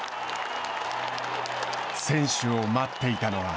選手を待っていたのは